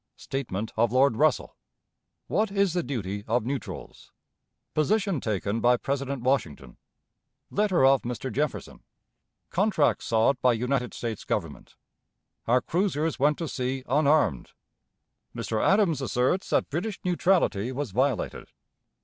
Statement of Lord Russell. What is the Duty of Neutrals? Position taken by President Washington. Letter of Mr. Jefferson. Contracts sought by United States Government. Our Cruisers went to Sea unarmed. Mr. Adams asserts that British Neutrality was violated.